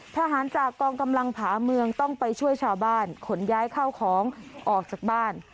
ทหารจากกองกำลังผาเมืองต้องไปช่วยชาวบ้านขนย้ายข้าวของออกจากบ้าน